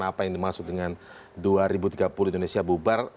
apa yang dimaksud dengan dua ribu tiga puluh indonesia bubar